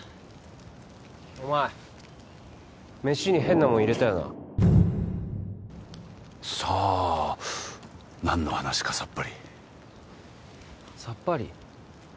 お前メシに変なもん入れたよなさあ何の話かさっぱりさっぱり？